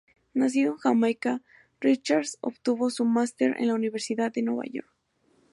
Nacido en Jamaica, Richards obtuvo su máster en la Universidad de Nueva York.